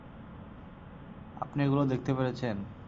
আপনি এগুলো দেখতে পেরেছেন?